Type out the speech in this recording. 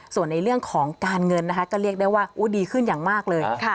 ส่วนในเรื่องของการเงินนะคะก็เรียกได้ว่าดีขึ้นอย่างมากเลย